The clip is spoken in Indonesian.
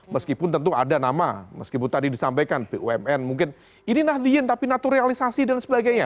meskipun tentu ada nama meskipun tadi disampaikan bumn mungkin ini nahdiyin tapi naturalisasi dan sebagainya